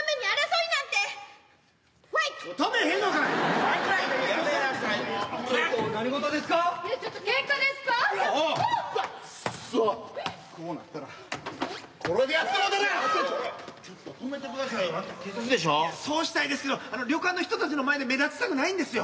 いやそうしたいですけど旅館の人たちの前で目立ちたくないんですよ。